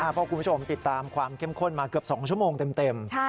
เพราะคุณผู้ชมติดตามความเข้มข้นมาเกือบ๒ชั่วโมงเต็ม